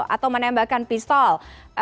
atau menembakkan pistol